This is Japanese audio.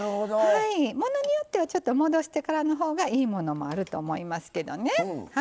ものによっては戻してからのほうがいいものもあると思いますけどね。